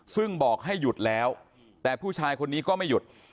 ซึ่งบอกให้หยุดแล้วแต่ผู้ชายคนนี้ก็ไม่หยุด